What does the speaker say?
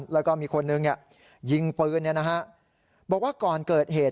แล้วก็มีคนนึงเนี่ยยิงปืนเนี่ยนะฮะบอกว่าก่อนเกิดเหตุ